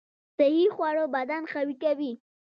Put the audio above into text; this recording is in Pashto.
صحي خواړه بدن قوي کوي